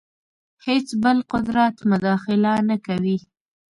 هېڅ بل قدرت مداخله نه کوي.